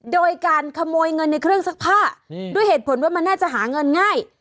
โดยการขโมยเงินในเครื่องซักผ้าด้วยเหตุผลว่ามันน่าจะหาเงินง่าย